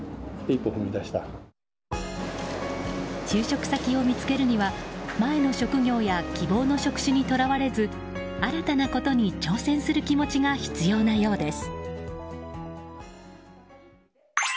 就職先を見つけるには前の職業や希望の職種に捉われず新たなことに挑戦する気持ちが必要なようです。